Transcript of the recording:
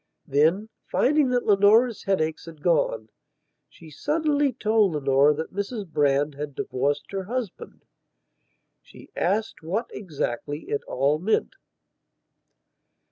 Then, finding that Leonora's headaches had gone, she suddenly told Leonora that Mrs Brand had divorced her husband. She asked what, exactly, it all meant.